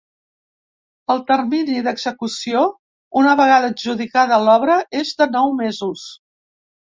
El termini d’execució, una vegada adjudicada l’obra, és de nou mesos.